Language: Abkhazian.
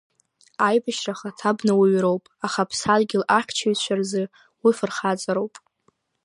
Аибашьра ахаҭа бнауаҩроуп, аха Аԥсадгьыл ахьчаҩцәа рзы уи фырхаҵароуп.